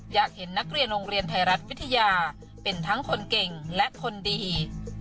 อยากเห็นนักเรียนโรงเรียนไทยรัฐวิทยาเป็นทั้งคนเก่งและคนดี